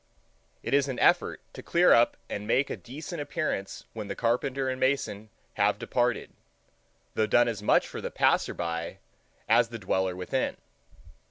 It is an effort to clear up and make a decent appearance when the carpenter and mason have departed, though done as much for the passer by as the dweller within.